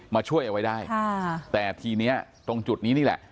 มาช่วยเอาไว้ได้ค่ะแต่ทีนี้ตรงจุดนี้นี่แหละ